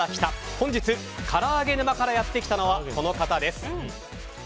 本日、から揚げ沼からやってきたのはこの方です。